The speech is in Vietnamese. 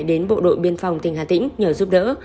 đến bộ đội biên phòng tỉnh hà tĩnh nhờ giúp đỡ